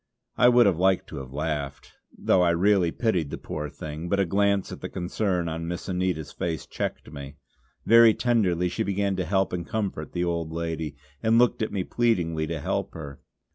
I would have liked to have laughed, though I really pitied the poor thing; but a glance at the concern on Miss Anita's face checked me. Very tenderly she began to help and comfort the old lady, and looked at me pleadingly to help her.